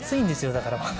だからまだ。